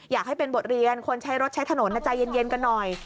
อยากให้เป็นบทเรียนคนใช้รถใช้ถนนใจเย็นกันหน่อย